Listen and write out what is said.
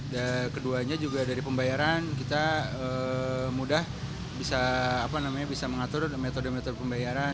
dan keduanya juga dari pembayaran kita mudah bisa mengatur metode metode pembayaran